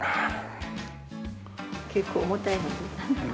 結構重たいので。